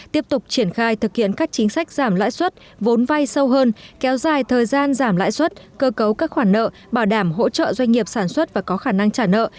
tiếp tục triển khai thực hiện các chính sách giảm lãi suất vốn vai sâu hơn kéo dài thời gian giảm lãi suất cơ cấu các khoản nợ bảo đảm hỗ trợ doanh nghiệp sản xuất và có khả năng trả nợ